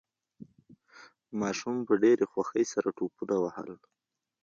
ماشوم په ډېرې خوښۍ سره ټوپونه وهل.